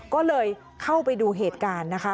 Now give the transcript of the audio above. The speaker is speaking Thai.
ก็เลยเข้าไปดูเหตุการณ์นะคะ